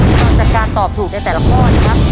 ที่ก่อนจัดการตอบถูกในแต่ละข้อนะครับ